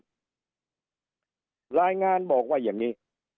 รายงานบอกว่าอย่างนี้